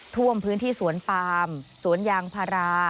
ท่วมพื้นที่สวนปามสวนยางพารา